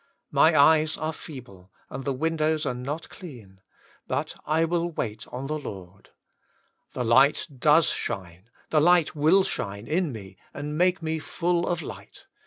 My eyes are feeble, and the windows are not clean, but I will wait on the Lord. The light does shine, the light will shine in me, and make me full of light.